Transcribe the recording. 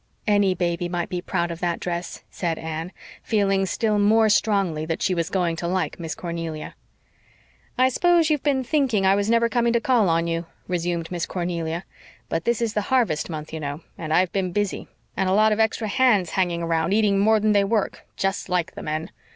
"Any baby might be proud of that dress," said Anne, feeling still more strongly that she was going to like Miss Cornelia. "I s'pose you've been thinking I was never coming to call on you," resumed Miss Cornelia. "But this is harvest month, you know, and I've been busy and a lot of extra hands hanging round, eating more'n they work, just like the men.